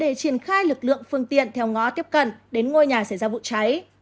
để triển khai lực lượng phương tiện theo ngõ tiếp cận đến ngôi nhà xảy ra vụ cháy